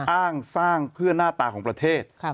อ้างสร้างเพื่อหน้าตาของประเทศ